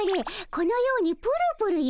このようにプルプルゆれる。